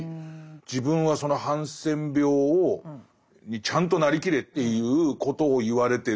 自分はそのハンセン病にちゃんとなりきれっていうことを言われてる。